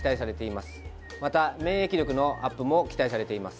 また、免疫力のアップも期待されています。